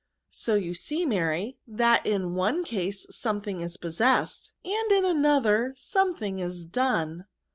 "So you see, Mary, that in the one case something is possessed, and in the other something is done."